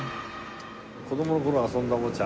子どもの頃遊んだおもちゃ。